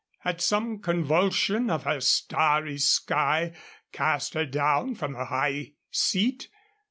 Had some convulsion of her starry sky cast her down from her high seat?